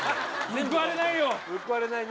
報われないね